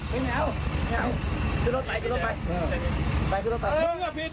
มึงผิดแล้วมึงผิดแล้ว